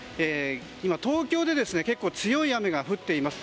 今、東京で結構強い雨が降っています。